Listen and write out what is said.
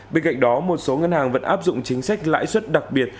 bên cạnh đó một số ngân hàng vẫn áp dụng chính sách lãi suất đặc biệt